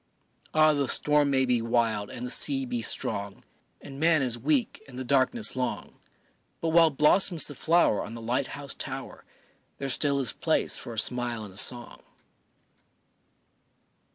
Ah, the storm may be wild and the sea be strong, And man is weak and the darkness long, But while blossoms the flower on the light house tower There still is place for a smile and a song.